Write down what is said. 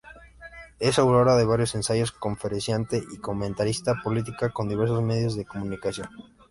Es autora de varios ensayos, conferenciante y comentarista política en diversos medios de comunicación.